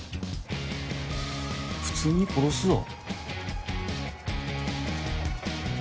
普通に殺すぞ。